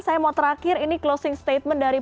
saya mau terakhir ini closing statement dari